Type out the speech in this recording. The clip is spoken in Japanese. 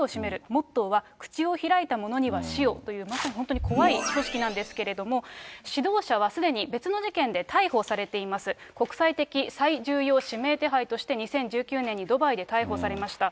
モットーは、口を開いた者には、死をという、まさに本当に怖い組織なんですけれども、指導者はすでに別の事件で逮捕されています、国際的最重要指名手配として２０１９年にドバイで逮捕されました。